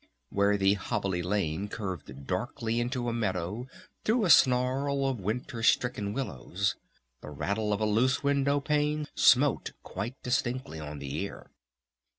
Where the hobbly lane curved darkly into a meadow through a snarl of winter stricken willows the rattle of a loose window pane smote quite distinctly on the ear.